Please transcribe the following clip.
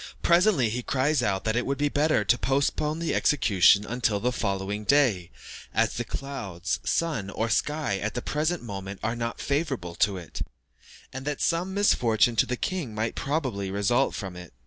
Presently he cries out that it would be better to postpone the execution until the following day, as the clouds, sun, or sky at the present moment are not favourable to it, and that some misfortune to the king might probably result from it.